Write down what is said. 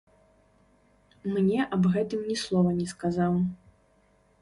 Мне аб гэтым ні слова не сказаў.